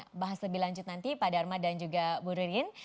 kita bahas lebih lanjut nanti pak dharma dan juga bu ririn